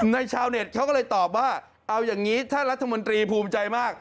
ชาวเน็ตเขาก็เลยตอบว่าเอาอย่างนี้ถ้ารัฐมนตรีภูมิใจมาก